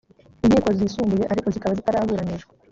inkiko zisumbuye ariko zikaba zitaraburanishwa